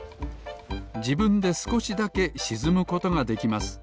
じぶんですこしだけしずむことができます